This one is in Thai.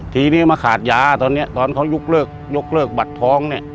ทีนี้มาขาดยาตอนนี้ตอนเขายุกเลิกบัตรท้อง